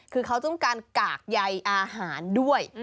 คือเขาต้องการกากใยอาหารด้วย